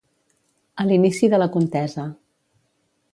A l'inici de la contesa.